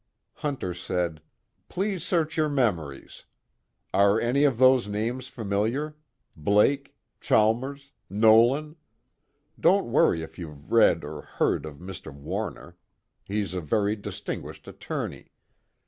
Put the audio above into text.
Hunter said: "Please search your memories. Are any of those names familiar? Blake? Chalmers? Nolan?... Don't worry if you've read or heard of Mr. Warner. He's a very distinguished attorney.